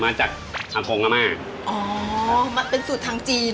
มาจากอโกงกะมาอ๋อมันเป็นสูตรทางจีน